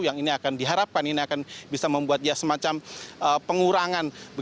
yang ini akan diharapkan ini akan bisa membuat ya semacam pengurangan